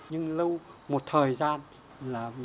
nhưng lâu một thời gian bị quên lãng